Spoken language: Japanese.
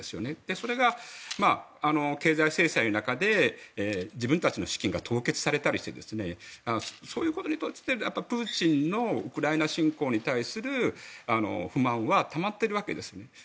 それが、経済制裁の中で自分たちの資金が凍結されたりしてそういうことでプーチンのウクライナ侵攻に対する不満はたまってるわけですね。